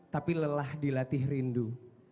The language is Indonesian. tapi lelah dilatih rindu